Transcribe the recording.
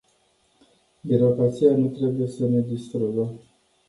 Birocrația nu trebuie să ne distrugă.